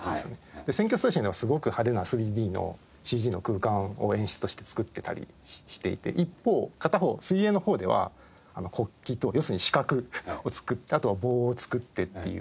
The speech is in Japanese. で『選挙ＳＴＡＴＩＯＮ』ではすごく派手な３ＤのＣＧの空間を演出として作ってたりしていて一方片方『水泳』の方では国旗と要するに四角を作ってあとは棒を作ってっていう。